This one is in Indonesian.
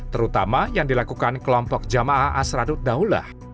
terutama yang dilakukan kelompok jamaah asradut daulah